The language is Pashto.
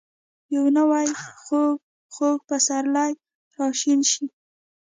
یو نوی ،خوږ. خوږ پسرلی راشین شي